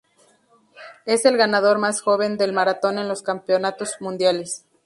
Es el ganador más joven del maratón en los Campeonatos Mundiales.